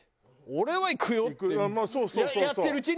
俺はいくよって。